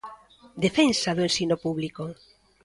Defensa do ensino público.